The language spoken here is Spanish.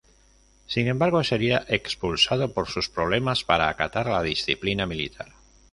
Sin embargo sería expulsado por sus problemas para acatar la disciplina militar.